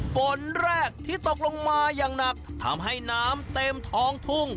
ฝนแรกที่ตกลงมาอย่างหนักทำให้น้ำเต็มท้องทุ่ง